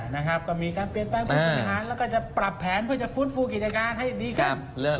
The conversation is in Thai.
นะครับก็มีการเปลี่ยนแปลงผู้บริหารแล้วก็จะปรับแผนเพื่อจะฟื้นฟูกิจการให้ดีขึ้น